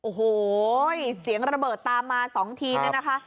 โอ้โหเสียงระเบิดตามมา๒ทีเนี่ยนะคะ